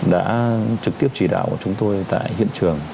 đã trực tiếp chỉ đạo của chúng tôi tại hiện trường